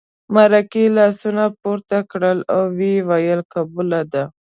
مرکې لاسونه پورته کړل او ویې ویل قبوله ده.